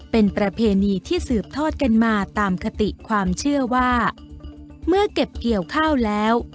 เป็นประเพณีที่สืบทอดกันมาตามคติความเชื่อว่าเมื่อเก็บเกี่ยวข้าวแล้ว